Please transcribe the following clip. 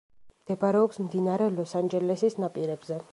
მდებარეობს მდინარე ლოს-ანჯელესის ნაპირებზე.